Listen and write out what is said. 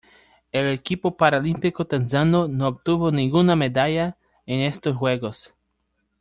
El equipo paralímpico tanzano no obtuvo ninguna medalla en estos Juegos.